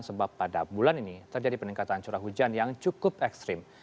sebab pada bulan ini terjadi peningkatan curah hujan yang cukup ekstrim